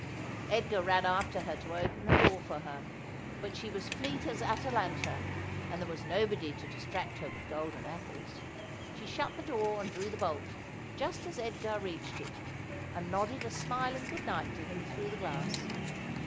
Edgar ran after her to open the door for her ; but she was fleet as Atalanta, and there was nobody to distract her with golden apples. She shut the door and drew the bolt, just as Edgar reached it, and nodded a smiling good night to him through the glass.